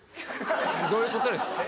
どういうことですか？